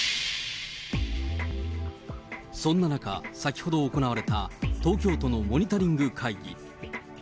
そんな中、先ほど行われた東京都のモニタリング会議。